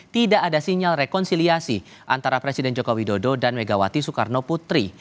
tidak ada sinyal rekonsiliasi antara presiden joko widodo dan megawati soekarno putri